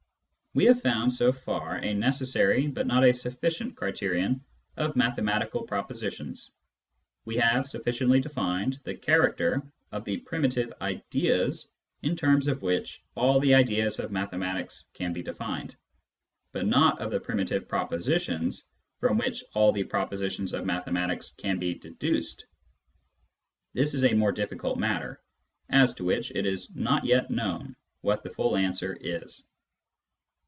We have found so far a necessary but not a sufficient criterion of mathematical propositions. We have sufficiently defined the character of the primitive ideas in terms of which all the ideas of mathematics can be defined, but not of the primitive propositions from which all the propositions of mathematics can be deduced. This is a more difficult matter, as to which it is not yet known what the full answer is.